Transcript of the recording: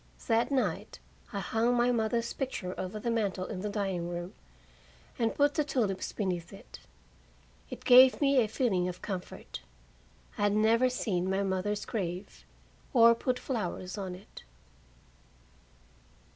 That night I hung my mother's picture over the mantel in the dining room, and put the tulips beneath it. It gave me a feeling of comfort; I had never seen my mother's grave, or put flowers on it.